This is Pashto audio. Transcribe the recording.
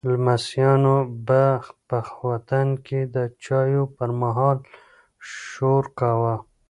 لمسیانو به په وطن کې د چایو پر مهال شور کاوه.